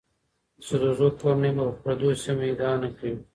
د سدوزو کورنۍ به پر دې سیمو ادعا نه کوي.